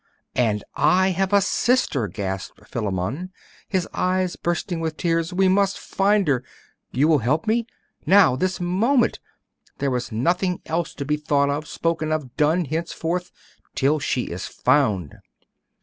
'And I have a sister!' gasped Philammon, his eyes bursting with tears. 'We must find her! You will help me? Now this moment! There is nothing else to be thought of, spoken of, done, henceforth, till she is found!